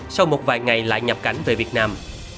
sau một vài ngày lại nhập cảnh về việt nam